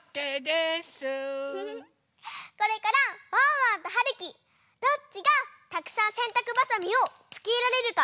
これからワンワンとはるきどっちがたくさんせんたくばさみをつけられるかきょうそうです！